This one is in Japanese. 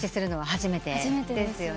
初めてです。